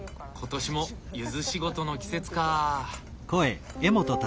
今年もゆず仕事の季節かあ。